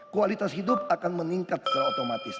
kualitas hidup akan meningkat secara otomatis